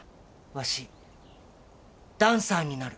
わしダンサーになる。